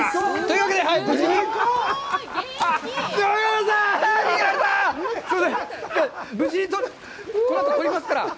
このあと取りますから。